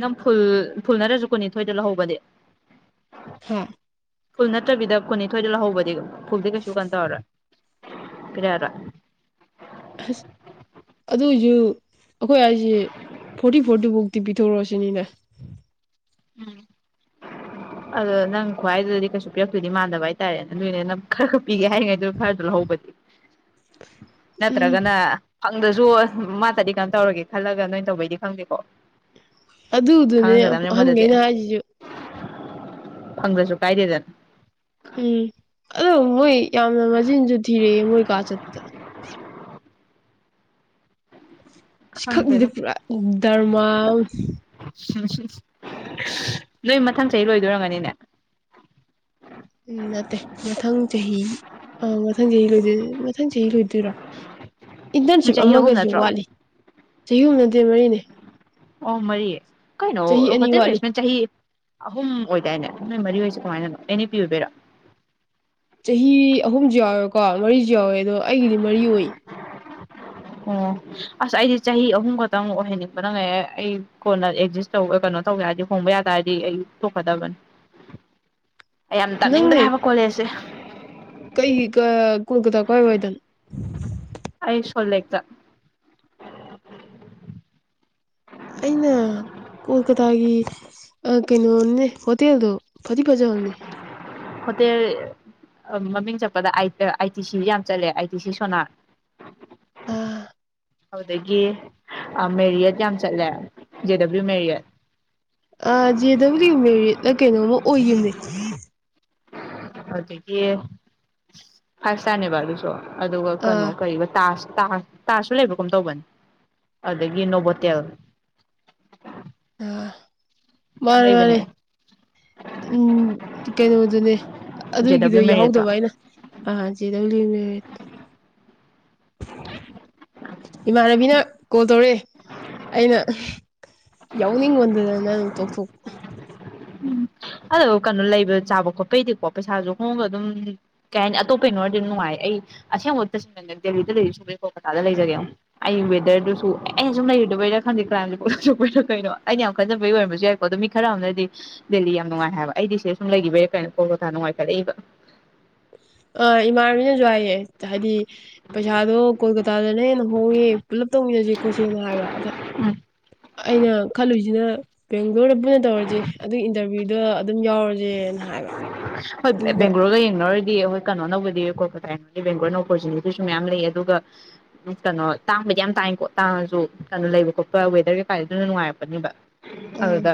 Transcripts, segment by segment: ꯅꯪ ꯐꯨꯜ ꯐꯨꯜ ꯅꯔꯁꯨ ꯀꯨꯟꯅꯤꯊꯣꯏꯗ ꯂꯧꯍꯧꯕꯗꯤ ꯍꯥ ꯐꯨꯜ ꯅꯠꯇꯕꯤꯗ ꯀꯨꯟꯅꯤꯊꯣꯏꯗ ꯂꯧꯍꯧꯕꯗꯤ ꯐꯨꯜꯗ ꯀꯁꯨ ꯀꯥꯟꯗꯧꯔ ꯐꯔꯔ ꯑꯁ ꯑꯗꯨꯏꯁꯨ ꯑꯩꯈꯣꯏ ꯍꯥꯏꯁꯦ ꯐꯣꯔꯇꯤ ꯐꯣꯔꯇꯨꯐꯥꯎꯇꯤ ꯄꯤꯊꯣꯔꯛꯑꯁꯤꯅꯤꯅꯦ ꯎꯝ ꯑꯗꯣ ꯅꯪ ꯈ꯭ꯋꯥꯏꯗꯨꯗꯗꯤ ꯀꯩꯁꯨ ꯄꯤꯔꯛꯇꯣꯏꯗꯤ ꯃꯥꯟꯗꯕ ꯍꯥꯏꯇꯥꯔꯦꯅꯦ ꯑꯗꯨꯏꯅꯦ ꯅꯪ ꯈꯔ ꯈꯔ ꯄꯤꯒꯦ ꯍꯥꯏꯔꯤꯉꯩꯗꯨ ꯐꯔꯗꯨ ꯂꯧꯍꯧꯕꯗꯤ ꯎꯝ ꯅꯠꯇ꯭ꯔꯒꯅ ꯈꯪꯗꯁꯨ ꯃꯥꯇꯗꯤ ꯀꯩꯅꯣ ꯇꯧꯔꯒꯦ ꯈꯜꯂꯒ ꯅꯣꯏ ꯇꯧꯕꯩꯗꯤ ꯈꯪꯗꯦꯀꯣ ꯑꯗ ꯑꯗꯨꯅꯦ ꯈꯪꯉꯝꯒꯗꯕꯅꯤ ꯍꯪ ꯃꯣꯏꯗꯗꯤ ꯑꯩꯅꯖꯤꯁꯨ ꯐꯪꯗ꯭ꯔꯁꯨ ꯀꯥꯏꯗꯦꯗꯅ ꯎꯝ ꯑꯣ ꯃꯣꯏ ꯌꯥꯝꯅ ꯃꯖꯤꯟꯁꯨ ꯊꯤꯔꯛꯑꯦ ꯃꯣꯏ ꯀ ꯆꯄꯨꯗ ꯁꯤ ꯈꯪꯁꯤꯗꯤ ꯈꯪꯗꯦꯗ ꯄꯨꯔꯥ ꯗꯔꯃꯥ ꯎ ꯅꯣꯏ ꯃꯊꯪ ꯆꯍꯤ ꯂꯣꯏꯗꯔꯝꯒꯅꯤꯅꯦ ꯑꯗꯨ ꯅꯠꯇꯦ ꯃꯊꯪ ꯆꯍꯤ ꯑꯥ ꯃꯊꯪ ꯆꯍꯤꯣꯏꯗꯣꯏ ꯃꯊꯪ ꯆꯍꯤ ꯂꯣꯏꯗꯣꯏꯔꯣ ꯅꯣꯏ ꯏꯟꯇꯔꯟꯁꯤꯞ ꯆꯍꯤ ꯑꯍꯨꯝ ꯑꯃꯒꯁꯨ ꯅꯠꯇ꯭ꯔꯣ ꯋꯥꯠꯂꯤ ꯆꯍꯤꯅꯗꯤ ꯑꯣ ꯃꯔꯤ ꯆꯍꯤ ꯑꯅꯤ ꯀꯩꯅꯅꯇ ꯅ ꯋꯥꯠꯂꯤ ꯏꯁꯃ ꯆꯥꯌꯦ ꯑꯍꯨꯝ ꯑꯣꯏꯗꯥꯏꯅꯦ ꯅꯣꯏ ꯃꯔꯤ ꯑꯣꯏꯁꯦ ꯀꯃꯥꯏꯅꯅꯣ ꯑꯦꯟꯅꯤ ꯄꯤ ꯑꯣꯏꯕꯤꯔꯣ ꯆꯍꯤ ꯑꯍꯨꯝꯁꯨ ꯌꯥꯎꯋꯦꯀꯣ ꯃꯔꯤꯁꯨ ꯌꯥꯎꯋꯦ ꯑꯗꯣ ꯑꯩꯒꯤꯗꯤ ꯃꯔꯤ ꯑꯣꯏ ꯑꯣ ꯑꯁ ꯑꯩꯗꯤ ꯆꯍꯤ ꯑꯍꯨꯝ ꯈꯛꯇꯪ ꯑꯣꯏꯍꯟꯅꯤꯡꯕ ꯅꯪ ꯉꯥꯏ ꯑꯩ ꯀꯣꯟꯅ ꯑꯦꯛꯖꯤꯁ ꯇꯧ ꯀꯩꯅꯣ ꯇꯧꯦ ꯌꯥꯔꯗꯤ ꯍꯣꯡꯕ ꯌꯥ ꯇꯔꯗꯤ ꯑꯩ ꯇꯣꯛꯀꯗꯕꯅꯤ ꯑꯩ ꯌꯥꯝ ꯇꯥꯅꯤꯡꯗ꯭ꯔꯦ ꯅꯪꯅꯦ ꯍꯥꯏꯕ ꯀꯣꯂꯦꯖꯁꯦ ꯀꯩ ꯀ ꯀꯣꯜꯀꯇꯥ ꯀꯏ ꯑꯣꯏꯗꯅ ꯑꯩꯁꯣꯂꯦ ꯀ ꯑꯩꯅ ꯀꯣꯜꯀꯇꯥꯒꯤ ꯀꯩꯅꯣꯅꯦ ꯍꯣꯇꯦꯜꯗꯣ ꯐꯗꯤ ꯐꯖꯕꯅꯦ ꯍꯣꯇꯦꯜ ꯃꯃꯤꯡ ꯆꯠꯄꯗ ꯑꯥꯏ ꯇꯤ ꯁꯤ ꯌꯥꯝ ꯆꯠꯂꯦ ꯑꯥꯏ ꯇꯤ ꯁꯤ ꯁꯣꯅꯥ ꯑꯗꯨꯗꯒꯤ ꯃꯦꯔꯤꯌꯦꯠ ꯌꯥꯝ ꯆꯠꯂꯦ ꯖꯦ ꯗꯕ꯭ꯂꯤꯌꯎ ꯃꯦꯔꯤꯌꯦꯠ ꯑ ꯖꯦ ꯗꯕ꯭ꯂꯤꯨ ꯃꯦꯗ ꯀꯩꯅꯣꯃ ꯑꯣꯏꯈꯤꯕꯈꯤꯕꯅꯦ ꯑꯗꯒꯤ ꯐꯥꯏꯚ ꯏꯁꯇꯥꯔꯅꯦꯕ ꯑꯗꯨꯁꯨ ꯑꯗꯨꯒ ꯀꯩꯅꯣ ꯑꯥ ꯀꯩ ꯇꯥꯁ ꯇꯥ ꯇꯥꯁꯨ ꯂꯩꯕ ꯀꯨꯝ ꯇꯧꯕꯅꯤ ꯑꯗꯨꯗꯒꯤ ꯅꯣꯕꯣꯇꯦꯜ ꯑꯥ ꯌꯥꯝ ꯃꯥꯔꯦ ꯂꯩꯕꯅꯦ ꯃꯥꯔꯦ ꯎꯝ ꯀꯅꯣꯗꯨꯅꯦ [inaudible] ꯖꯦ ꯑꯗꯨꯒꯤꯗꯨꯣ ꯗꯕ꯭ꯂꯤꯎ ꯃꯦꯔꯤꯌꯠꯇꯣ ꯌꯥꯎꯍꯧꯗꯕ ꯑꯩꯅ ꯑ [inaudible] ꯏꯃꯥꯟꯅꯕꯤꯅ ꯀꯣꯜ ꯇꯧꯔꯛꯑꯦ ꯑꯩꯅ ꯌꯥꯎꯅꯤꯡꯉꯣꯟꯗꯗꯅꯪ ꯇꯣꯛꯊꯣꯛ ꯎꯝ ꯑꯗꯣ ꯀꯩꯅꯣ ꯂꯩꯕ ꯆꯥꯕ ꯈꯣꯠꯄꯩꯗꯤꯀꯣ ꯄꯩꯁꯥꯁꯨ ꯍꯣꯡꯕ ꯑꯗꯨꯝ ꯀꯩ ꯍꯥꯏꯅꯤ ꯑꯇꯣꯞꯄꯩꯅꯣꯔꯗꯤ ꯑꯗꯨꯝ ꯅꯨꯡꯉꯥꯏ ꯑꯩ ꯑꯁꯦꯡꯕ ꯇꯁꯦꯡꯅꯪ ꯗꯦꯜꯂꯤꯗ ꯂꯩꯔꯤ ꯁꯨꯕꯩꯦ ꯀꯣꯜꯀꯥꯇꯥꯗ ꯂꯩꯖꯒꯦ ꯑꯃꯨ ꯑꯩ ꯋꯦꯔꯗꯨꯁꯨ ꯑꯦꯩꯅ ꯁꯨꯝ ꯂꯩꯔꯨꯗꯕꯩꯔꯥ ꯈꯪꯗꯦ ꯀ꯭ꯔꯥꯏꯝꯁꯦ ꯄꯂꯄꯔꯣ ꯀꯩꯅꯣ ꯑꯩꯅ ꯌꯥꯝ ꯈꯟꯖꯕꯩ ꯑꯣꯏꯔꯃꯁꯨ ꯌꯥꯏꯀꯣ ꯑꯗꯣ ꯃꯤ ꯈꯔ ꯑꯃꯝꯅꯗꯤ ꯗꯦꯜꯂꯤ ꯌꯥꯝ ꯅꯨꯡꯉꯥꯏ ꯍꯥꯏꯕ ꯑꯩꯗꯤ ꯁꯦ ꯁꯨꯝ ꯂꯩꯈꯤꯕꯩꯔ ꯀꯩꯅꯣ ꯀꯣꯜꯀꯇꯥ ꯅꯨꯡꯉꯥꯏꯈꯠꯂꯛꯏꯕ ꯑ ꯏꯃꯥ ꯃꯤꯅꯖꯋꯥꯌꯦ ꯍꯥꯏꯗꯤ ꯄꯩꯁꯥꯗꯣ ꯀꯣꯜꯀꯇꯥꯗꯅ ꯍꯦꯟꯅ ꯍꯣꯡꯉꯦ ꯄꯨꯂꯞ ꯇꯧꯃꯤꯟꯅꯁꯦ ꯈꯣꯠꯁꯦꯅ ꯍꯥꯏꯕ ꯑꯗ ꯎꯝ ꯑꯩꯅ ꯈꯜꯂꯨꯁꯤꯅ [inaudible] ꯂꯣꯏꯔꯕ ꯄꯨꯅ ꯇꯧꯔꯁꯦ ꯑꯗꯨꯒꯤ ꯏꯟꯇꯔꯚꯤꯌꯨ ꯑꯗꯨꯗ ꯑꯗꯨꯝ ꯌꯥꯎꯔꯖꯦꯅ ꯍꯥꯏꯕ ꯍꯣꯏ ꯑꯗꯨꯒ ꯕꯦꯡꯒꯂꯣꯔꯒ ꯌꯦꯡꯅꯔꯨꯔꯗꯤ ꯗꯤ ꯑꯩꯈꯣꯏ ꯀꯩꯅꯣ ꯅꯕꯨꯗꯤ ꯀꯣꯜꯀꯇꯥꯒꯤꯅꯗꯤ ꯕꯦꯡꯒ꯭ꯂꯣꯔꯅ ꯑꯣꯄꯣꯔꯆꯨꯅꯤꯇꯤꯁꯨ ꯃꯌꯥꯝ ꯂꯩ ꯑꯗꯨꯒ ꯀꯩꯅꯣ ꯇꯥꯡꯕꯗꯤ ꯌꯥꯝ ꯇꯥꯡꯉꯦꯀꯣ ꯇꯥꯡꯉꯁꯨ ꯀꯩꯅꯣ ꯂꯩꯕ ꯈꯣꯠꯄ ꯋꯦꯗꯔ ꯀꯩꯀꯥ ꯑꯗꯨꯅ ꯅꯨꯡꯉꯥꯏꯔꯛꯄꯅꯦꯕ ꯎꯝ ꯑꯗꯨꯗ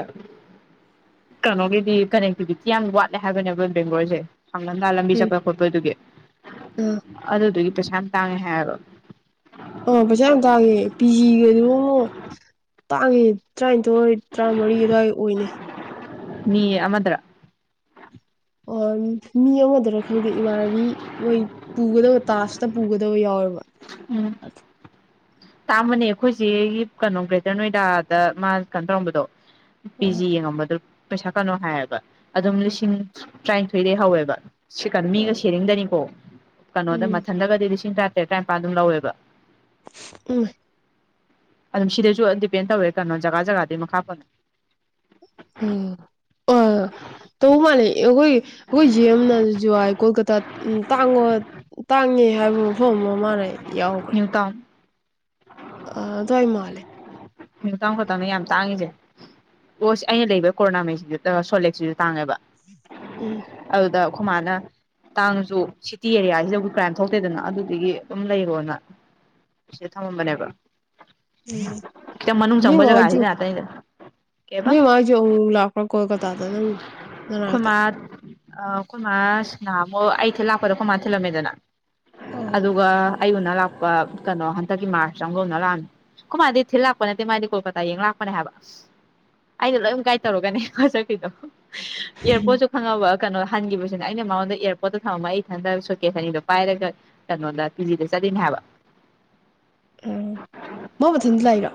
ꯀꯩꯅꯣꯒꯤꯗꯤ ꯀꯅꯦꯛꯇꯤꯕꯤꯇꯤ ꯌꯥꯝ ꯋꯥꯠꯂꯦ ꯍꯥꯏꯕꯅꯦꯕ ꯕꯦꯡꯒ꯭ꯂꯣꯔꯖꯦ ꯍꯪꯒꯟꯗꯥ ꯂꯝꯕꯤ ꯎꯝ ꯆꯠꯄ ꯈꯣꯠꯄꯗꯨꯒꯤ ꯑꯥ ꯑꯗꯨꯗꯨꯒꯤ ꯄꯩꯁꯥ ꯌꯥꯝ ꯇꯥꯡꯉꯦ ꯍꯥꯌꯦꯕ ꯑ ꯄꯩꯁꯥ ꯌꯥꯝ ꯇꯥꯒꯦ ꯄꯤ ꯖꯤꯒꯗꯣ ꯑꯃꯛ ꯇꯥꯡꯒꯤ ꯇꯔꯥꯅꯤꯊꯣꯏ ꯇꯔꯥꯃꯔꯤ ꯑꯗꯨꯋꯥꯏ ꯑꯣꯏꯅꯦ ꯃꯤ ꯑꯃꯗꯔ ꯑꯣ ꯃꯤ ꯑꯃꯗꯔ ꯈꯪꯗꯦ ꯏꯃꯥꯟꯅꯕꯤ ꯃꯣꯏ ꯄꯨꯒꯗꯕ ꯇꯥꯖꯇ ꯄꯨꯒꯗꯕ ꯌꯥꯎꯦꯕ [inaudible] ꯎꯝ ꯇꯥꯡꯕꯅꯦ ꯑꯩꯈꯣꯏꯆꯦꯒꯤ ꯀꯩꯅꯣ ꯒ꯭ꯔꯦꯇꯔ ꯅꯣꯏꯗꯥꯗ ꯃꯥ ꯀꯩꯅꯣ ꯇꯧꯔꯝꯕꯗꯣ ꯄꯤ ꯑꯥ ꯖꯤ ꯌꯦꯡꯉꯝꯕꯗꯨ ꯄꯩꯁꯥ ꯀꯩꯅꯣ ꯍꯥꯏꯌꯦꯕ ꯑꯗꯨꯝ ꯂꯤꯁꯤꯡ ꯇꯔꯥꯅꯤꯊꯣꯏꯗꯒꯤ ꯍꯧꯋꯦꯕ ꯁꯤꯀꯥꯟ ꯃꯤꯒ ꯑꯥ ꯁꯦꯔꯤꯡꯗꯅꯤꯀꯣ ꯀꯩꯅꯣꯗ ꯎꯝ ꯃꯊꯜꯗꯒꯗꯤ ꯂꯤꯁꯤꯡ ꯇ ꯇꯦ ꯇꯔꯥꯅꯤꯄꯥꯟ ꯑꯗꯨꯝ ꯂꯧꯋꯦꯕ ꯎꯝ ꯑꯗꯨꯝ ꯁꯤꯗꯁꯨ ꯑꯗꯨꯝ ꯗꯤꯄꯦꯟ ꯇꯧꯔꯦ ꯀꯩꯅꯣ ꯖꯒꯥ ꯖꯒꯥꯗꯨꯒꯤ ꯃꯈꯥ ꯄꯣꯜꯂꯦ ꯎꯝ ꯑ ꯇꯧꯕ ꯃꯥꯜꯂꯦ ꯑꯩꯈꯣꯏ ꯑꯩꯈꯣꯏ ꯆꯦ ꯑꯃꯅꯁꯨ ꯍꯥꯏ ꯀꯣꯜꯀꯇꯥ ꯎ ꯇꯥꯡꯉꯣ ꯇꯥꯡꯉꯦ ꯍꯥꯏꯕ ꯃꯐꯝ ꯑꯃ ꯃꯥꯂꯦ ꯌꯥꯎꯈ꯭ꯔꯦ ꯅ꯭ꯌꯨ ꯇꯥꯎꯟ ꯑꯗꯨꯋꯥꯏ ꯃꯥꯜꯂꯦ ꯅꯤꯎ ꯇꯥꯎꯟ ꯈꯛꯇꯅꯦ ꯌꯥꯝ ꯇꯥꯡꯉꯤꯁꯦ ꯄꯣꯠ ꯁꯤ ꯑꯩꯅ ꯂꯩꯕ ꯀꯣꯔꯣꯅꯥꯃꯩꯁꯤ ꯁꯣꯂꯦꯛꯁꯤꯁꯨ ꯇꯥꯡꯉꯦꯕ ꯎꯝ ꯑꯗꯨꯗ ꯈꯨ ꯃꯥꯥꯏꯅ ꯇꯥꯡꯅꯁꯨ ꯁꯤꯇꯤ ꯑꯦꯔꯤꯌꯥꯁꯤꯗꯗꯤ ꯀ꯭ꯔꯥꯏꯝ ꯊꯣꯛꯇꯦꯗꯅ ꯑꯗꯨꯗꯒꯤ ꯑꯗꯨꯝ ꯂꯩꯔꯣꯅ ꯁꯤꯗ ꯊꯝꯃꯝꯕꯅꯦꯕ ꯎꯝ ꯈꯤꯇꯪ ꯃꯅꯨꯡ ꯆꯪꯕ ꯖꯒꯥꯁꯤꯗ ꯉꯥꯛꯇꯅꯤꯗ ꯀꯩꯕ ꯅꯣꯏ ꯃꯥ ꯍꯣꯏꯖꯨ ꯑꯃꯨꯛ ꯃꯨꯛ ꯂꯥꯛꯄꯔ꯭ ꯀꯣꯜꯀꯇꯥꯗ ꯅꯪ ꯅꯥꯅꯥꯛꯇ ꯑ ꯑꯩꯈꯣꯏꯃꯥ ꯅꯥꯍꯟꯃꯨꯛ ꯑꯩ ꯊꯤꯟ ꯂꯥꯛꯄꯗ ꯀꯣꯏꯃꯥ ꯊꯤꯜꯂꯝꯃꯦꯗꯅ ꯑ ꯑꯗꯨꯒ ꯑꯩ ꯎꯅ ꯂꯥꯛꯄ ꯀꯩꯅꯣ ꯍꯟꯗꯛꯀꯤ ꯃꯥꯔꯆꯇ ꯑꯃꯒ ꯎꯅ ꯂꯥꯛꯑꯝꯃꯤ ꯑꯩꯈꯣꯃꯥꯗꯤ ꯊꯤꯜ ꯂꯥꯛꯄ ꯅꯠꯇꯦ ꯃꯥꯏꯗꯣ ꯀꯣꯜꯀꯇꯥ ꯌꯦꯡ ꯂꯥꯛꯄꯅꯦ ꯍꯥꯏꯕ ꯑꯩꯅ ꯂꯣꯏ ꯒꯥꯏꯠ ꯇꯧꯔꯒꯅꯦ ꯆꯠꯈꯔ꯭ꯤꯗꯣ ꯏꯔꯄꯣꯠꯁꯨ ꯈꯪꯉꯕ ꯀꯩꯅꯣ ꯍꯟꯈꯤꯕꯁꯤꯅ ꯑꯩꯅ ꯃꯉꯣꯟꯗ ꯑꯦꯌꯥꯔꯄꯣꯔꯠꯇ ꯊꯝꯃ ꯑꯩ ꯏꯊꯟꯗ ꯁꯣꯀꯦꯁ ꯑꯅꯤꯗꯣ ꯄꯥꯏꯔꯒ ꯀꯩꯅꯣꯗ ꯀꯤ ꯖꯤꯗ ꯆꯠꯂꯤꯅꯦ ꯍꯥꯏꯕ ꯎꯝ ꯃꯥ ꯃꯊꯜꯗ ꯂꯥꯛ ꯏ ꯔꯣ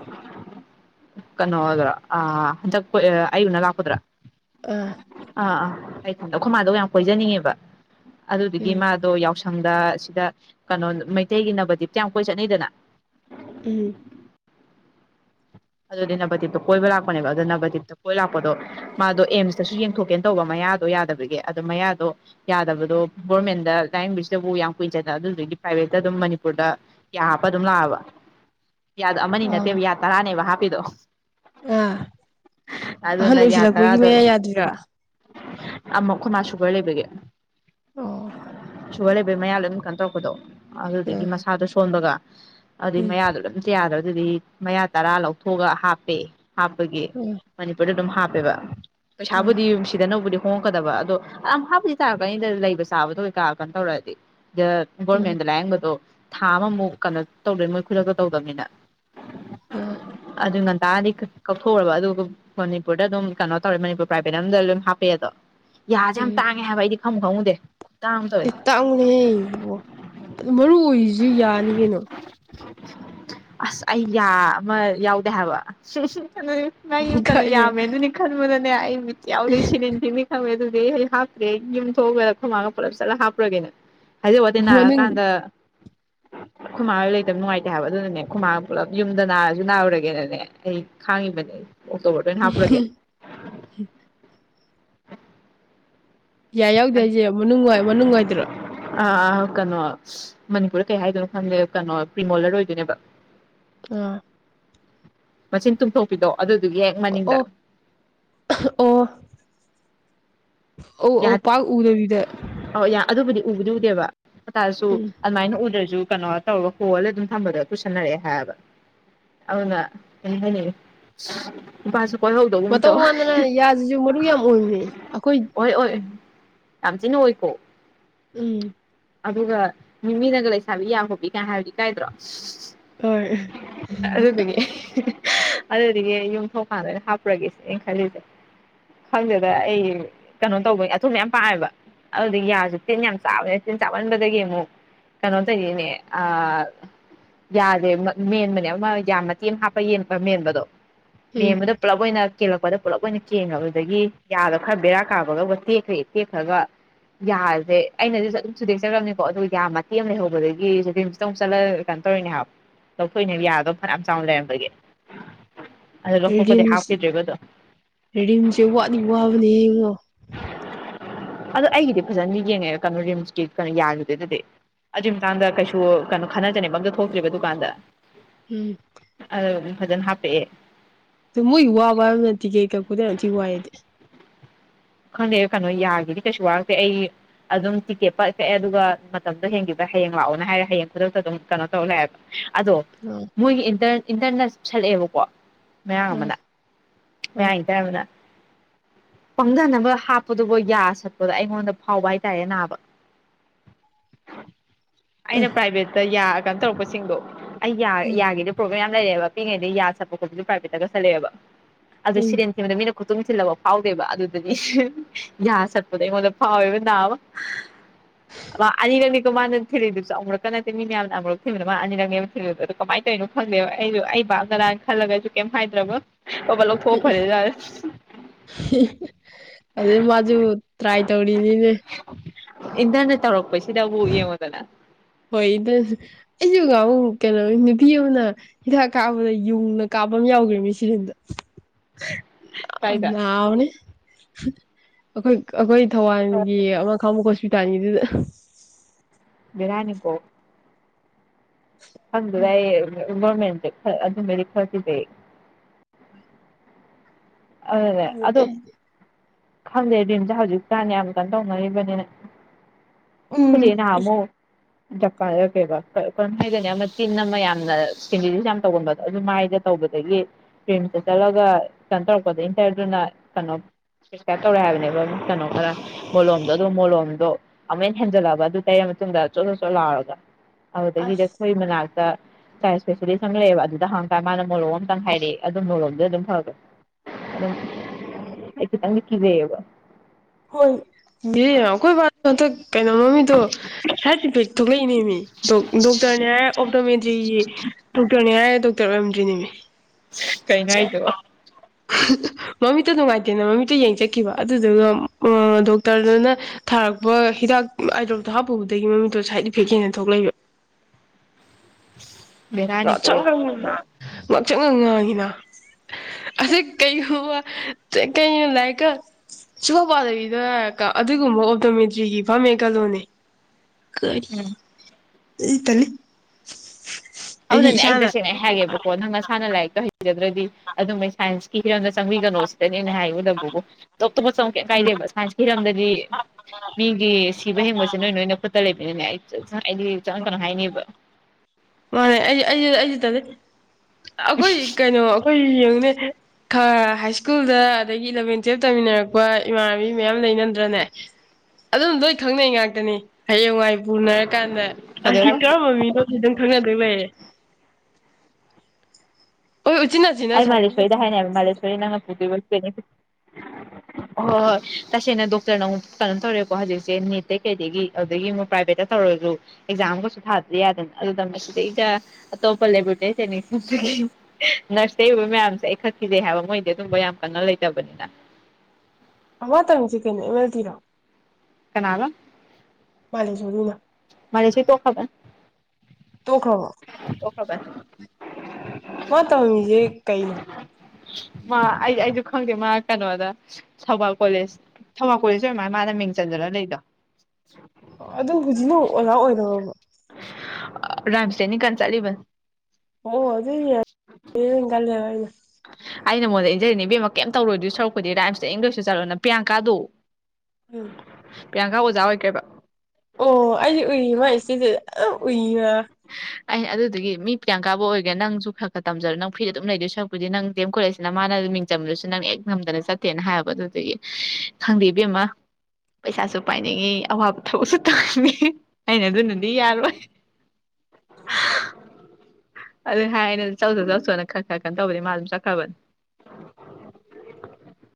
ꯀꯩꯅꯣꯗ꯭ꯔꯣ ꯑ ꯍꯟꯗꯛ ꯑꯩ ꯎꯅꯥ ꯂꯥꯛꯀꯗ꯭ꯔꯥ ꯑꯥ ꯑꯥ ꯑꯥ ꯑꯩꯈꯣꯏꯃꯗꯣ ꯌꯥꯝ ꯀꯣꯏꯖꯅꯤꯡꯉꯦꯕ ꯑꯗꯨꯗꯨꯗꯤ ꯎꯝ ꯃꯥꯗꯣ ꯌꯥꯎꯁꯪ ꯁꯪꯗ ꯁꯤꯗ ꯀꯩꯅꯣ ꯃꯩꯇꯩꯒꯤ ꯅꯅꯕꯗꯤ ꯀꯌꯥꯝ ꯀꯣꯏ ꯆꯠꯅꯩꯗꯅ ꯎꯝ ꯑꯗꯨꯗꯤ ꯅꯕꯇꯤꯞꯇ ꯀꯣꯏꯕ ꯂꯥꯛꯄꯅꯦꯕ ꯑꯗꯨ ꯅꯕꯇꯞꯇ ꯀꯣꯏꯕ ꯂꯥꯛꯄꯗꯣ ꯃꯥꯗꯣ ꯑꯦꯝꯁꯇꯁꯨ ꯌꯦꯡꯊꯣꯛꯀꯦꯅ ꯇꯧꯕ ꯃꯌꯥꯗꯣ ꯌꯥꯗꯕꯒꯤ ꯑꯗꯨꯗꯣ ꯃꯌꯥꯗꯣ ꯌꯥꯗꯕꯗꯣ ꯒꯣꯔꯃꯦꯟꯗ ꯂꯥꯏꯌꯦꯡꯕꯁꯤꯗꯕꯨ ꯌꯥꯝ ꯀꯨꯏꯅꯖꯗ ꯑꯗꯨꯗꯒꯤ ꯄ꯭ꯔꯥꯏꯚꯦꯠꯇ ꯑꯗꯨꯝ ꯃꯅꯤꯄꯨꯔꯗ ꯌꯥ ꯍꯥꯞꯄ ꯑꯗꯨꯝ ꯂꯥꯛꯑꯕ ꯌꯥꯗ ꯑꯃꯅꯤ ꯑ ꯅꯠꯇꯦꯕ ꯌꯥ ꯇꯔꯥꯅꯦ ꯍꯥꯞ ꯏꯗꯣ ꯑꯥ ꯑꯍꯟ ꯑꯣꯏꯁꯤꯜꯂꯛꯄꯒꯤ ꯃꯌꯥ ꯌꯥꯗ꯭ꯔꯤꯔ ꯑꯃꯨꯛ ꯑꯩꯈꯣꯏ ꯃꯥ ꯁꯨꯒꯔ ꯂꯩꯕꯒꯦ ꯑꯣ ꯁꯨꯒꯔ ꯂꯩꯕꯩ ꯃꯌꯥꯂꯣꯏ ꯀꯟꯣ ꯇꯧꯔꯛꯄꯗꯣ ꯑꯗꯨꯗꯒꯤ ꯑꯥ ꯃꯁꯥꯗ ꯄꯣꯜꯕꯒ ꯑꯗꯨꯏ ꯎꯝ ꯃꯌꯥꯗꯔ ꯑꯝꯇ ꯌꯥꯗ ꯑꯗꯨꯗꯤ ꯃꯌꯥ ꯇꯔꯥ ꯂꯧ ꯊꯣꯒ ꯍꯥꯄꯦ ꯍꯥꯞꯄꯒꯤ ꯎꯝ ꯃꯅꯤꯄꯨꯔꯗ ꯑꯗꯨꯝ ꯍꯥꯞ [unintelligible] ꯕ ꯑꯥ ꯄꯩꯁꯥꯕꯨꯗꯤ ꯌꯨꯝꯁꯤꯗꯅꯕꯨꯗꯤ ꯍꯣꯡꯉꯛꯀꯗꯕ ꯑꯗꯣ ꯑ ꯍꯥꯞꯄꯗꯤ ꯇꯥꯔꯛꯀꯅꯤꯗ ꯂꯩꯕ ꯆꯥꯕꯗꯣ ꯀꯩꯀꯥꯔ ꯀꯩꯅꯣ ꯇꯧꯔꯗꯤ ꯎꯝ ꯒꯣꯔꯃꯦꯟꯗ ꯂꯥꯏꯌꯦꯡꯕꯗꯣ ꯊꯥ ꯑꯃꯃꯨꯛ ꯀꯩꯅꯣ ꯇꯧꯗꯣꯏ ꯃꯣꯏ ꯈꯨꯗꯛꯇ ꯇꯧꯗꯕꯅꯤꯅ ꯑꯝ ꯑꯗꯨ ꯉꯟꯇꯥꯗꯤ ꯀꯛꯊꯣꯛꯎꯔꯕ ꯑꯗꯨꯒ ꯃꯅꯤꯄꯨꯔꯗ ꯑꯗꯨꯝ ꯀꯩꯅꯣ ꯇꯧꯔꯦ ꯃꯅꯤꯄꯨꯔ ꯄ꯭ꯔꯥꯏꯚꯦꯠ ꯑꯝꯗ ꯂꯣꯏꯝ ꯍꯥꯞꯄꯦ ꯑꯗꯣ ꯌꯥꯖ ꯌꯥꯝ ꯎꯝ ꯇꯥꯡꯉꯦ ꯍꯥꯏ ꯑꯩꯗꯤ ꯈꯝ ꯈꯃꯨꯉꯗꯦ ꯑꯦ ꯇꯥꯡꯅꯦꯍꯦ ꯏꯕꯣ ꯑꯗꯨ ꯃꯔꯨ ꯑꯣꯏꯔꯤꯁꯨ ꯌꯥꯅꯤ ꯀꯩꯅꯣ ꯑꯁ ꯑꯩ ꯌꯥ ꯑꯃ ꯌꯥꯎꯗꯦ ꯍꯥꯏꯕ ꯁꯤ ꯑꯗꯨ ꯃꯥꯏꯒꯤ ꯀꯩꯅꯣ ꯀꯥꯏꯗꯦ ꯌꯥꯝꯃꯦꯜꯗꯨꯅꯤ ꯈꯟꯕꯅ [unintelligible] ꯌꯥꯎꯗ ꯁꯦꯔꯤꯜ ꯊꯤꯟꯅꯤ ꯈꯝꯃꯦ ꯑꯗꯨ ꯑꯩ ꯍꯥꯞꯇ꯭ꯔꯦ ꯌꯨꯝꯊ ꯊꯣꯛꯑꯒ ꯈꯝꯃꯛꯑꯒ ꯄꯨꯂꯞ ꯆꯠꯂ ꯍꯥꯞꯄ꯭ꯔꯒꯦꯅ ꯍꯥꯏꯖ ꯋꯥꯇꯦ ꯅꯥꯔꯛꯑ ꯃꯅꯨꯡ ꯀꯥꯟꯗ ꯈꯨꯃꯥꯡ ꯍꯣꯏ ꯂꯩꯇꯕ ꯅꯨꯡꯉꯥꯏꯇꯦ ꯍꯥꯏꯕ ꯑꯗꯨꯅꯅꯦ ꯈꯨꯃꯥꯡ ꯄꯨꯂꯞ ꯌꯨꯝꯗ ꯅꯥꯔ ꯅꯥꯎꯔꯒꯦꯅꯅꯦ ꯑꯩ ꯈꯥꯡꯉꯤꯕꯅꯦ ꯑꯩ ꯑꯣꯗꯅ ꯍꯥꯄꯔꯒꯦ ꯌꯥꯏ ꯌꯥꯎꯗꯦ ꯍꯥꯏꯁꯦ ꯃꯅꯨꯡ ꯃꯅꯨꯡꯉꯥꯏꯗ꯭ꯔꯣ ꯑꯥ ꯑꯥ ꯀꯩꯅꯣ ꯃꯅꯤꯄꯨꯔꯗ ꯀꯩ ꯍꯥꯏꯗꯣꯏꯅꯣ ꯈꯪꯗꯦ ꯀꯩꯅꯣ ꯄ꯭ꯔꯤꯃꯣꯂꯔ ꯑꯣꯏꯗꯣꯏꯅꯦꯕ ꯑꯥ ꯃꯆꯤꯟ ꯇꯨꯝꯊꯣꯛꯄꯤꯗꯣ ꯑꯗꯨꯗꯨꯒꯤ ꯍꯦꯛ ꯃꯅꯤꯡꯗ ꯑꯣ ꯑꯣ ꯑ ꯌꯥ ꯑꯧ ꯄꯥꯎ ꯎꯗꯕꯤꯗ ꯎꯕꯗꯧꯗꯦꯕ ꯥꯔꯁꯨ ꯎꯝ ꯑꯗꯨꯃꯥꯏꯅ ꯎꯗ꯭ꯔꯁꯨ ꯀꯩꯅꯣ ꯇꯧꯔꯒ ꯍꯣꯜꯂ ꯑꯗꯨꯝ ꯊꯝꯕꯗꯣ ꯇꯨꯁꯟꯅꯔꯛꯑꯦ ꯍꯥꯏꯕ ꯑꯗꯨꯅ ꯀ ꯍꯥꯏꯅꯤꯡꯉꯤ ꯅꯨꯄꯥ ꯃꯇꯧ ꯃꯥꯟꯗꯅ ꯌꯥꯁꯤꯁꯨ ꯃꯔꯨ ꯌꯥꯝ ꯑꯣꯏꯃꯦ ꯑꯩꯈꯣꯏ ꯇꯝꯁꯤꯅ ꯍꯣꯏꯀꯣ ꯎꯝ ꯑꯗꯨꯒ ꯃꯤꯃꯤꯅꯒ ꯂꯩꯁꯥꯕꯤ ꯌꯥ ꯍꯣꯕꯤ ꯀꯥꯏ ꯍꯥꯏꯕꯗꯤ ꯀꯥꯏꯗ꯭ꯔꯣ ꯍꯣꯏ ꯑꯗꯨꯗꯒꯤ ꯌꯨꯝꯊꯣꯡꯀꯥꯟꯗ ꯑꯣꯏꯅ ꯍꯥꯞꯄ꯭ꯔꯒꯦꯁꯦ ꯑꯩꯅ ꯈꯜꯂꯤꯁꯦ ꯈꯪꯗꯦꯗ ꯑꯩ ꯀꯩꯅꯣ ꯇꯧꯕꯒꯤ ꯑꯊꯨꯝꯕ ꯌꯥꯝ ꯄꯥꯝꯑꯦꯕ ꯑꯗꯨꯗꯒꯤ ꯌꯥꯁꯨ ꯇꯤꯟ ꯌꯥꯝ ꯆꯥꯕꯅꯦ ꯇꯤꯟ ꯆꯥꯃꯟꯕꯗꯒꯤ ꯑꯃꯨꯛ ꯀꯩꯅꯣ ꯇꯧꯔꯤꯅꯦ ꯌꯥꯗꯦ ꯃꯦꯟꯕꯅꯦ ꯑꯃ ꯌꯥꯝ ꯃꯇꯦꯝ ꯍꯥꯞꯄ ꯌꯦꯟꯛꯄ ꯃꯦꯟꯕꯗꯣ ꯃ ꯎꯝ ꯃꯗ ꯄ꯭ꯂꯕꯅ ꯀꯦꯜꯂꯛꯄꯗ ꯄꯨꯂꯞ ꯑꯣꯏꯅ ꯆꯦꯟꯉꯕ ꯑꯗꯨꯗꯒꯤ ꯌꯥꯗ ꯈꯔ ꯕꯦꯔꯥ ꯀꯥꯕꯒ ꯇꯦꯛꯈ꯭ꯔꯦ ꯇꯦꯛꯈ꯭ꯔꯒ ꯑꯗ ꯑꯩꯅꯗꯤꯁꯨ ꯑꯗꯨꯝ ꯆꯨꯗꯦꯛꯆꯈꯕꯅꯤꯀꯣ ꯑꯗꯨꯒ ꯌꯥꯝ ꯃꯇꯦꯝ ꯑꯃ ꯂꯩꯍꯧꯕꯗꯒꯤ ꯁꯨꯗꯤꯝꯁꯤꯗ ꯑꯃꯨꯛ ꯆꯠꯂ ꯀꯩꯅꯣ ꯇꯧꯔꯤꯅꯦ ꯍꯥꯏꯕ ꯂꯧꯊꯣꯛꯏꯅꯦ ꯌꯥꯔꯗꯕ ꯐꯅꯌꯥꯝ ꯆꯥꯎꯅ ꯂꯩꯔꯝꯕꯒꯤ ꯑꯗꯣ ꯂꯧꯊꯣꯛꯄꯗꯤ ꯔꯦꯗꯤꯝ ꯍꯥꯞꯈꯤꯗ꯭ꯔꯦꯕ ꯑꯗꯣ ꯔꯦꯗꯤꯝꯁꯦ ꯋꯥꯠꯂꯤ ꯋꯥꯕꯅꯦ ꯌꯦꯡꯉꯣ ꯑꯗꯣ ꯑꯩꯒꯤꯗꯤ ꯐꯖꯅꯤ ꯌꯦꯡꯉꯦ ꯀꯩꯅꯣ ꯔꯤꯝꯁꯀꯤ ꯀꯩꯅꯣ ꯌꯥꯜꯔꯨꯗꯦꯗꯗꯤ ꯑꯗꯨꯒꯤ ꯃꯇꯥꯡꯗ ꯀꯩꯁꯨ ꯀꯩꯅꯣ ꯈꯟꯅꯖꯅꯦ ꯃꯪꯗ ꯊꯣꯛꯇ꯭ꯔꯤꯕ ꯗꯨꯀꯥꯟꯗ ꯎꯝ ꯑꯗꯨ ꯐꯖꯅ ꯍꯥꯞꯄꯦꯑꯦ ꯑ ꯃꯣꯏꯒꯤ ꯋꯥꯕ ꯍꯥꯏꯕꯅ ꯇꯤꯀꯦꯠ ꯀꯛꯄꯗ ꯌꯥꯝꯅꯨꯡꯇꯤ ꯋꯥꯏꯗꯤ ꯈꯪꯗꯦ ꯀꯩꯅꯣ ꯌꯥꯒꯤꯗꯤ ꯀꯩꯁꯨ ꯋꯥꯔꯛꯇꯦ ꯑꯩ ꯑꯗꯨꯝ ꯇꯤꯛꯀꯦꯠ ꯄꯛ ꯆꯛꯑꯦ ꯑꯗꯨꯒ ꯃꯇꯝꯗꯣ ꯍꯡꯈꯤꯕ ꯍꯌꯦꯡ ꯂꯥꯛꯑꯣꯅ ꯍꯥꯏꯔꯦ ꯍꯌꯦꯡ ꯈꯨꯗꯛꯇ ꯑꯗꯨꯝ ꯀꯩꯅꯣ ꯇꯧꯔ ꯂꯥꯛꯑꯦꯕ ꯑꯗꯣ ꯑꯥ ꯃꯣꯏꯒꯤ ꯏꯟꯇꯔ ꯏꯟꯇꯔꯅ ꯁꯠꯂꯛꯑꯦꯕꯀꯣ ꯃꯌꯥꯝ ꯑꯥ ꯑꯃꯅ ꯃ ꯑꯥ ꯏꯗꯕꯅ ꯄꯪꯊꯅꯕ ꯍꯥꯞꯄꯗꯨꯕꯨ ꯌꯥ ꯁꯛꯄꯗꯣ ꯑꯩꯉꯣꯟꯗ ꯐꯥꯎꯕ ꯍꯥꯏꯇꯥꯔꯦ ꯅꯥꯕ ꯑꯦ ꯑꯩꯅ ꯄ꯭ꯔꯥꯏꯚꯦꯠꯇ ꯌꯥ ꯀꯩꯅꯣ ꯇꯧꯔꯛꯄꯁꯤꯡꯗꯣ ꯑꯩ ꯌꯥ ꯎꯝ ꯌꯥꯒꯦꯗ꯭ꯔꯣ ꯌꯥꯝ ꯂꯩꯔꯦꯕ ꯄꯛꯉꯩꯗꯤ ꯌꯥꯠꯄ ꯈꯣꯄꯗꯨꯄꯥꯏꯐꯠꯇꯒꯜꯂꯛꯑꯦꯕ ꯑꯗꯨꯗ ꯎꯝ ꯁꯤꯔꯤꯦꯟꯗ ꯃꯤꯅ ꯀ ꯇꯨꯡꯁꯤꯜꯂꯕ ꯐꯥꯎꯗꯦꯕ ꯑꯗꯨꯗꯗꯤ ꯌꯥ ꯁꯠꯄꯗꯣ ꯑꯩꯉꯣꯟꯗ ꯐꯥꯎꯋꯦꯕ ꯅꯥꯕ ꯃꯥ ꯑꯅꯤꯔꯛꯅꯤꯀꯣ ꯃꯥꯅ ꯊꯤꯂꯤꯗꯨꯁꯨ ꯑꯃꯨꯔꯛꯀ ꯅꯠꯇꯦ ꯃꯤ ꯃꯌꯥꯝꯅ ꯑꯃꯨꯨꯔꯛ ꯊꯤꯕꯗ ꯃꯥꯅ ꯑꯅꯤꯔꯛꯅꯦꯕ ꯊꯤꯂꯤꯗꯣ ꯑꯗꯨꯣ ꯀꯃꯥꯏꯅ ꯇꯧꯔꯤꯅꯣ ꯈꯪꯗꯦꯕ ꯑꯩꯁꯨꯣ ꯑꯩ ꯕꯥꯞꯗꯔꯥꯅ ꯈꯜꯂꯒ ꯑꯩꯁꯨ ꯀꯩꯝ ꯍꯥꯏꯗ꯭ꯔꯕ ꯕꯕꯠ ꯂꯧꯊꯣꯛꯑ ꯐꯔꯦꯖꯥꯠꯂ ꯑꯗꯨ ꯃꯥꯁꯨ ꯇ꯭ꯔꯥꯏ ꯇꯧꯔꯤꯅꯤꯅꯦ ꯏꯟꯇꯔꯅꯦꯠ ꯇꯧꯔꯛꯄꯁꯤꯗꯕꯨ ꯌꯦꯡꯉꯨꯗꯅ ꯍꯣꯏ ꯏꯗ ꯑꯩꯁꯨ ꯀꯩꯅꯣ ꯅꯨꯄꯤ ꯑꯃꯅ ꯍꯤꯗꯥꯛ ꯀꯥꯞꯕꯗ ꯌꯨꯡꯅ ꯀꯥꯞꯄ ꯑꯃ ꯌꯥꯎꯈ꯭ꯔꯦ ꯃꯤ ꯁꯤꯟꯗ ꯀꯥꯏꯗ ꯎꯅꯦ ꯑꯣꯈꯣꯏ ꯑꯩꯈꯣꯏ ꯊꯧꯕꯥꯜꯒꯤ ꯑꯃ ꯈꯪꯕꯠ ꯇꯉꯗꯤꯗ ꯂꯩꯔꯅꯤꯀꯣ ꯍꯪ ꯂꯏ ꯒꯣꯔꯃꯦꯟꯁꯦ ꯑꯗꯨꯝꯕꯗꯤ ꯈꯔꯗꯤꯖꯩ ꯑꯗꯦ ꯑꯗꯣ ꯈꯪꯗꯦ ꯝꯁꯦ ꯍꯧꯖꯤꯛ ꯆꯥꯅꯤ ꯌꯥꯝ ꯀꯟꯅ ꯇꯧꯅꯔꯤꯕꯅꯤꯅ ꯎꯝ ꯖꯄꯥꯟꯗꯀꯦꯕ ꯀꯔꯝ ꯍꯥꯏꯒꯅꯤ ꯑꯃ ꯇꯤꯟ ꯑꯃ ꯌꯥꯝꯅ ꯀꯦꯟꯗꯤꯁ ꯌꯥꯝꯅ ꯇꯧꯒꯟꯕꯗꯣ ꯑꯗꯨ ꯃꯥꯏꯗ ꯇꯧꯕꯗꯒꯤ ꯔꯤꯝꯁꯇ ꯆꯠꯂꯒ ꯇꯟ ꯇꯧꯔꯛꯄꯗ ꯏꯟꯇꯔꯗꯨꯅ ꯀꯩꯅꯣꯀ꯭ꯔꯞ ꯇꯧꯔꯦ ꯍꯥꯏꯕꯅꯦꯕ ꯀꯩꯅꯣ ꯃꯣꯂꯣꯝꯗꯣ ꯑꯗꯨ ꯃꯣꯂꯣꯝꯗꯣ ꯑꯃꯨꯛꯦꯟꯅ ꯍꯦꯟꯖꯜꯂꯛꯑꯕ ꯑꯗꯨ ꯇꯩꯔ ꯃꯇꯨꯡꯗ ꯆꯣꯠ ꯆꯣꯠ ꯆꯣꯠ ꯂꯥꯎꯔꯒ ꯑꯁ ꯑꯗꯨꯗꯒꯤꯗꯤꯈꯣꯏ ꯃꯅꯥꯛꯇ ꯆꯥꯏ ꯏꯁꯄꯦꯁꯤꯂꯤꯁ ꯑꯃ ꯂꯩꯑꯕ ꯑꯗꯨꯗ ꯍꯥꯡꯀꯥꯟ ꯃꯥꯅ ꯃꯣꯔꯣꯝ ꯑꯇꯪ ꯍꯥꯏꯔꯛꯑꯦ ꯑꯗꯨꯝ ꯃꯣꯔꯝꯗ ꯑꯗꯨꯝ ꯐꯔꯛꯦ ꯑ ꯑꯩ ꯇ ꯀꯗꯕ ꯍꯣꯏ ꯌꯦ ꯀꯣꯏ ꯅꯠꯇ ꯀꯩꯅꯣ ꯃꯃꯤꯗꯣ ꯁꯥꯁꯤ ꯇꯨꯡꯂꯅꯤꯃꯤ ꯗꯣꯛꯇꯔꯅ ꯍꯥꯏ ꯑꯣꯗꯣ ꯃ ꯗꯣꯛꯇꯔꯅ ꯍꯥꯏ ꯗꯣꯛꯇꯔ ꯑꯣꯏꯔꯝꯗ꯭ꯔꯤꯅꯦꯃꯤ ꯀꯩ ꯉꯅꯥꯥꯏꯗꯕ ꯃꯃꯤꯠꯇ ꯅꯨꯡꯉꯥꯏꯇꯦꯅ ꯃꯃꯤꯠꯇ ꯌꯦꯡꯖꯈꯤꯕ ꯑꯗꯨꯗꯨꯒ ꯑꯣ ꯗꯣꯛꯇꯔꯗꯨꯅ ꯊꯥꯔꯛꯄ ꯍꯤꯗꯥꯛ ꯑꯥꯏꯗ꯭ꯔꯣꯞꯇꯣ ꯍꯥꯞꯄꯨꯕꯗꯒꯤ ꯃꯃꯤꯠꯇꯣ ꯁꯥꯏꯠ ꯏꯐꯦꯛ ꯍꯦꯟꯅ ꯊꯣꯛꯂꯛꯕ [inaudible] ꯆꯪ ꯉꯥꯛꯆꯛ ꯉ ꯉꯥꯡꯉꯤꯅ ꯑꯁꯤ ꯀꯩꯒꯨꯝꯕ ꯀꯣ ꯂꯥꯏꯔꯤꯛꯀ ꯁꯨꯐꯥꯎ ꯄꯥꯗꯕꯤꯗꯣꯏꯀ ꯑꯗꯨꯒꯨꯝꯕ ꯑꯣꯞꯇꯣꯃꯦꯇ꯭ꯔꯤꯒꯤ ꯐꯝꯃꯦ ꯀꯜꯂꯣꯅꯦ ꯀꯥꯔꯤ ꯎꯝ ꯂꯩ ꯇꯅꯤ ꯑꯗꯨꯅꯅꯦ ꯑꯩ ꯇꯁꯦꯡꯅ ꯍꯥꯏꯒꯦꯕꯀꯣ ꯅꯪ ꯅꯁꯥꯥꯟꯅ ꯂꯥꯏꯔꯤꯛꯦ ꯍꯩꯖꯗ꯭ꯔꯗꯤ ꯑꯗꯨꯃꯩ ꯁꯥꯏꯟꯁ ꯀꯤꯔꯦꯟꯅ ꯁꯪꯤꯒ ꯅꯣꯁꯦ ꯅꯅ ꯍꯥꯏ ꯅꯝꯕꯨꯕꯣ ꯇꯇꯣꯞ ꯇꯣꯞꯄ ꯆꯪꯛ ꯀꯩ ꯀꯥꯏꯗꯦꯕ ꯁꯥꯏꯟꯁꯀꯤ ꯍꯤꯔꯝꯗꯗꯤ ꯃꯤꯒꯤ ꯊꯤꯕ ꯍꯤꯡꯉꯁꯦ ꯅꯣꯏ ꯅꯣꯏ ꯈꯨꯠꯇ ꯂꯩꯕꯅꯤꯅꯦ ꯑꯩ ꯑꯩꯗꯤꯖ ꯀꯩꯅꯣ ꯍꯥꯏꯅꯤꯕ ꯃꯥꯅꯦꯗꯗ ꯑꯩꯈꯣꯏ ꯀꯩꯅꯣ ꯑꯩꯈꯣꯏ ꯌꯦꯡꯅꯦ ꯈꯔ ꯍꯥꯏ ꯁ꯭ꯀꯨꯜꯗ ꯑꯗꯒꯤ ꯏꯂꯚꯦꯟ ꯇꯨꯌꯦꯜꯞ ꯇꯧꯃꯤꯟꯅꯔꯛꯄ ꯏꯃꯥꯟꯅꯕꯤ ꯃꯌꯥꯝ ꯂꯩꯅꯗ꯭ꯔꯅꯦ ꯑꯗꯨꯝ ꯂꯣꯏ ꯈꯪꯅꯩ ꯉꯥꯛꯇꯅꯤ ꯍꯌꯦꯡꯋꯥꯏ ꯄꯨꯅꯔꯀꯥꯟꯗ ꯑꯗꯨꯒ ꯑꯁꯤ ꯀꯔꯝꯕ ꯃꯤꯅꯣꯝ ꯃꯦ ꯑꯩ ꯃꯥꯦꯁꯔꯤꯗ ꯍꯥꯏꯅꯦꯕ ꯐꯪꯈꯤꯕꯁꯤꯗꯤ ꯃꯥꯂꯁꯔꯤ ꯅꯪꯅ ꯄꯨꯗꯣꯏ ꯍꯣꯏ ꯍꯣꯏ ꯇꯁꯦꯡꯅ ꯗꯣꯛꯇꯔꯅ ꯑꯃꯨꯛ ꯀꯩꯅꯣ ꯇꯧꯔꯦꯀꯣ ꯍꯧꯖꯤꯛꯁꯦ ꯅꯦꯠꯇꯇꯩ ꯀꯩꯗꯒꯤ ꯑꯗꯨꯗꯒꯤ ꯑꯃꯨꯛ ꯄ꯭ꯔꯥꯏꯚꯦꯠꯇ ꯇꯧꯔꯁꯨ ꯑꯦꯛꯖꯥꯝꯒꯁꯨ ꯊꯥꯗ꯭ꯔ ꯌꯥꯗꯅ ꯑꯗꯨꯗ ꯃꯁꯤꯗꯩꯗ ꯑꯇꯣꯞꯄ ꯅꯔꯁꯇ ꯑꯣꯏꯕ ꯃꯌꯥꯝꯁꯦ ꯑꯩ ꯈꯛꯈꯤꯗꯩ ꯍꯥꯏꯕ ꯃꯣꯏꯗꯤ ꯑꯗꯨꯝꯕ ꯌꯥꯝ ꯀꯟꯅ ꯂꯩꯇꯕꯅꯤꯅ ꯃ ꯇꯉ ꯆ ꯀꯦꯅꯦ [unintelligible] ꯀꯅꯥꯂ ꯃꯥꯂꯦꯁ ꯔꯃ ꯃꯔꯤ ꯁꯤ ꯇꯣ ꯈꯕꯔ ꯇꯣ ꯈ꯭ꯔꯕꯣ [inaudible] ꯋꯥ ꯇꯃꯤ ꯃꯤꯦ ꯀꯩ ꯅ ꯃꯥ ꯑꯩ ꯑꯩꯁꯨ ꯈꯪꯗꯦ ꯃꯥ ꯀꯩꯅꯣꯗ ꯊꯧꯕꯥꯜ ꯀꯣꯂꯦꯖ ꯊꯧꯕꯥꯜ ꯀꯣꯂꯦꯖꯁꯨꯃꯅ ꯃꯥꯅ ꯃꯤꯡ ꯆꯟꯖꯅ ꯂꯩꯗꯣ ꯑꯗꯨꯣ ꯍꯧꯖꯤꯛꯅ ꯑꯣꯖꯥ ꯑꯣꯏꯔꯔꯕ ꯔꯥꯝꯁꯦꯅꯤ ꯀꯥꯟ ꯆꯠꯂꯤꯕ ꯑꯣ ꯑꯗꯨ ꯑꯗꯨꯒꯩꯅ ꯑꯩꯅ ꯃꯉꯣꯟꯗ ꯏꯟꯖꯔꯤꯅꯦꯕꯦꯝꯃꯛ ꯀꯩꯝ ꯇꯧꯔꯣꯏ ꯁꯔꯨꯛꯄꯗꯤ ꯔꯥꯏꯝꯁꯤꯇ ꯑꯪ ꯂꯣꯏꯁꯨ ꯆꯠꯂꯣ ꯄ꯭ꯔꯤꯌꯥꯡꯀꯥꯣ ꯎꯝ ꯄ꯭ꯤꯌꯥꯡꯈꯥ ꯑꯣꯖꯥ ꯑꯣꯏꯈ꯭ꯔꯦꯕ ꯑꯣ ꯑꯩꯗꯤ ꯎꯏ ꯃꯥꯥꯏ ꯏꯆꯦꯁꯤ ꯎꯏꯔ ꯑꯩ ꯑꯗꯨꯗꯨꯒꯤ ꯃꯤ ꯄ꯭ꯌꯥꯡꯀꯥꯕꯨ ꯑꯣꯏꯒꯦꯥ ꯅꯪꯁꯨ ꯈꯔ ꯈꯔ ꯇꯝꯖꯔꯣ ꯅꯪ ꯐꯨꯔꯤꯔ ꯑꯗꯨꯝ ꯂꯩꯗꯣꯏ ꯁꯛꯄꯨꯗꯤ ꯅꯪ ꯦꯝ ꯀꯣꯂꯦꯖꯁꯤꯅ ꯃꯥꯅ ꯃꯤꯡꯆꯟꯗꯨꯁꯨ ꯅꯪ ꯍꯦꯛ ꯉꯝꯗꯅ ꯆꯠꯇꯦꯅ ꯍꯥꯏꯕ ꯑꯗꯨꯗꯨꯒꯤ ꯈꯪꯗꯦ ꯏꯕꯦꯝꯃ ꯄꯩꯁꯥꯁꯨ ꯄꯥꯏꯅꯤꯡꯉꯤ ꯑꯋꯥꯕ ꯊꯕꯛꯁꯨ ꯇꯧꯅꯤ ꯑꯩꯅ ꯑꯗꯨꯅꯗꯤ ꯌꯥꯔꯣꯏ ꯑꯗꯨ ꯍꯥꯏꯅꯤ ꯆꯧꯁꯨ ꯆꯧꯁꯣꯅ ꯈꯔ ꯈꯔ ꯀꯩꯅꯣ ꯇꯧꯕꯅꯤ ꯃꯥ ꯑꯗꯨꯝ ꯆꯠꯈ꯭ꯔꯕꯅꯤ